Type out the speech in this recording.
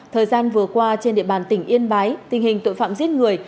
thời gian vừa qua trên địa bàn tỉnh yên bái tình hình tội phạm giết người